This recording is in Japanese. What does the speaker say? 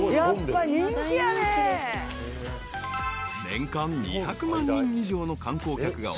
［年間２００万人以上の観光客が訪れ